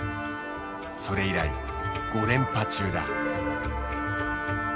それ以来５連覇中だ。